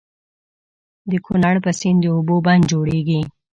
د کنړ په سيند د اوبو بند جوړيږي.